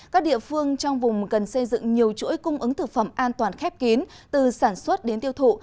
các địa phương trong vùng cần xây dựng nhiều chuỗi cung ứng thực phẩm an toàn khép kín từ sản xuất đến tiêu thụ